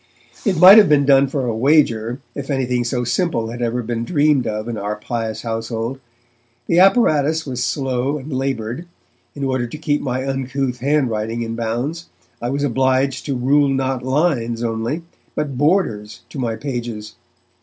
It might have been done for a wager, if anything so simple had ever been dreamed of in our pious household. The apparatus was slow and laboured. In order to keep my uncouth handwriting in bounds, I was obliged to rule not lines only, but borders to my pages.